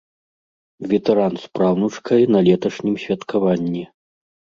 Ветэран з праўнучкай на леташнім святкаванні.